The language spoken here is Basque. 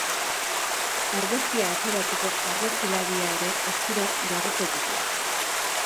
Argazkia ateratzeko, argazkilaria ere eskura jarriko dute.